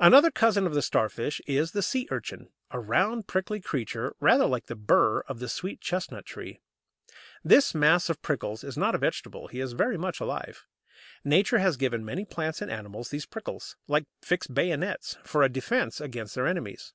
Another cousin of the Starfish is the Sea urchin, a round prickly creature rather like the burr of the sweet chestnut tree. This mass of prickles is not a vegetable; he is very much alive. Nature has given many plants and animals these prickles, like fixed bayonets, for a defence against their enemies.